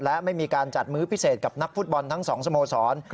และไม่มีการจัดมื้อพิเศษกับนักฟุตบอลทั้ง๒สโมสร